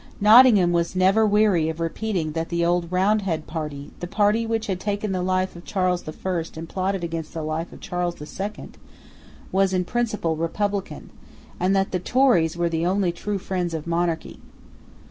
Nottingham was never weary of repeating that the old Roundhead party, the party which had taken the life of Charles the First and had plotted against the life of Charles the Second, was in principle republican, and that the Tories were the only true friends of monarchy.